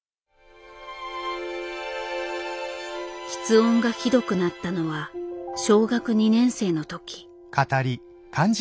吃音がひどくなったのは小学２年生の時。